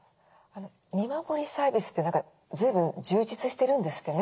見守りサービスって何か随分充実してるんですってね？